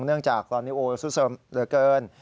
เนื่องจากตอนนี้โอ้ซุดเสิร์ฟเหลือเกิน